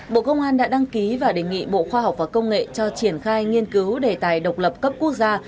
bộ công an đã đăng ký và đề nghị bộ khoa học và công nghệ cho triển khai nghiên cứu đề tài độc lập cấp quốc gia